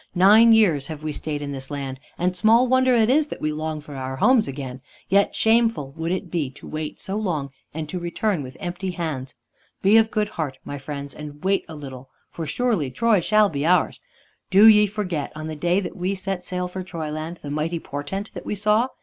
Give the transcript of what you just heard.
Nine years have we stayed in this land, and small wonder is it that we long for our homes again. Yet shameful would it be to wait so long and to return with empty hands. Be of good heart, my friends, and wait a little, for surely Troy shall be ours. Do ye forget, on the day that we set sail for Troyland, the mighty portent that we saw?